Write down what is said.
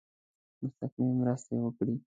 مستقیمي مرستي وکړي.